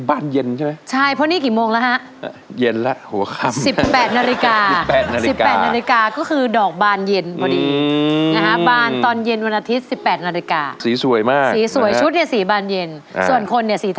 อันนี้เขาเรียกสีบานเย็นใช่ไหม